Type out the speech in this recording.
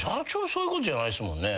そういうことじゃないっすもんね。